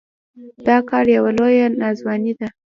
دا کار يوه لويه ناځواني ده.